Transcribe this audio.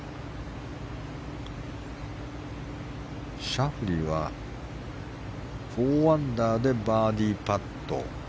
シャフリーは４アンダーでバーディーパット。